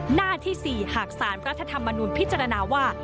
หน้าที่๔หากสารรัฐธรรมนุนพิจารณาว่า